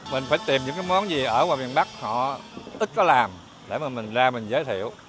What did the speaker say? mình phải tìm những món gì ở miền bắc họ ít có làm để mình ra mình giới thiệu